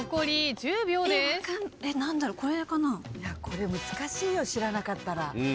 ・これ難しいよ知らなかったら。